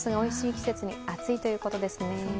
季節に、暑いということですね。